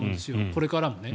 これからもね。